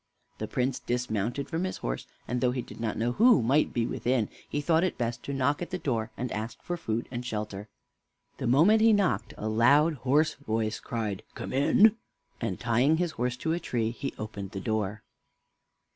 The Prince dismounted from his horse, and though he did not know who might be within, he thought it best to knock at the door, and ask for food and shelter. The moment he knocked a loud, hoarse voice cried: "Come in!" and tying his horse to a tree, he opened the door.